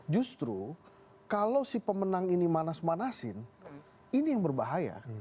justru kalau si pemenang ini manas manasin ini yang berbahaya